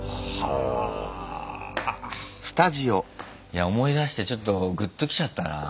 いや思い出してちょっとグッときちゃったな。